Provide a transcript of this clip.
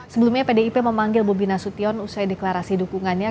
sebelumnya pdip memanggil bobi nasution usai deklarasi dukungannya